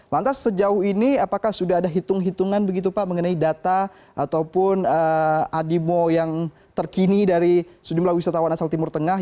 lantas sejauh ini apakah sudah ada hitung hitungan begitu pak mengenai data ataupun adimo yang terkini dari sejumlah wisatawan asal timur tengah